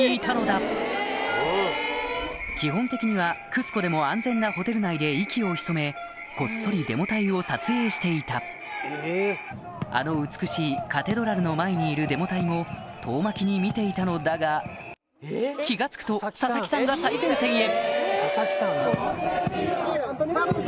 基本的にはクスコでも安全なホテル内で息を潜めこっそりデモ隊を撮影していたあの美しいカテドラルの前にいるデモ隊も遠巻きに見ていたのだが気が付くと佐々木さんが最前線へ！